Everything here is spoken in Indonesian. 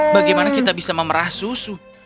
bagaimana kita bisa memerah susu